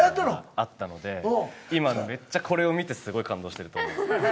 あったので今めっちゃこれを見てすごい感動してると思います。